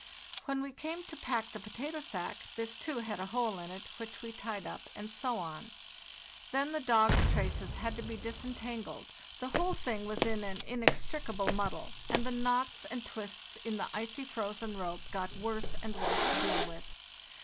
When we came to pack the potato sack, this too had a hole in it, which we tied up, and so on. Then the dogs' traces had to be disentangled; the whole thing was in an inextricable muddle, and the knots and twists in the icy, frozen rope got worse and worse to deal with.